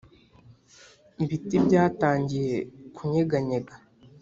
ibiti byatangiye kunyeganyega ',